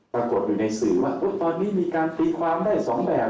ปรากฏอยู่ในสื่อว่าตอนนี้มีการตีความได้สองแบบ